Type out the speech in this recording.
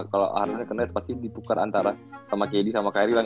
kalo harden ke nets pasti ditukar antara sama kd sama kairi lah